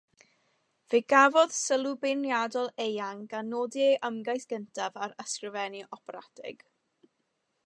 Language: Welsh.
Fe gafodd sylw beirniadol eang gan nodi ei ymgais gyntaf ar ysgrifennu operatig.